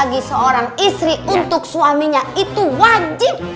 dan diri bagi seorang istri untuk suaminya itu wajib